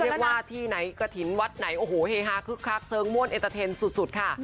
เรียกว่าที่ไหนกฐินวัดไหนโอ้โหเฮฮาคึกคักเซิงม่วนเอ็ดเตอร์เทนสุดค่ะ